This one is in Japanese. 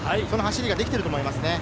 その走りができていると思います。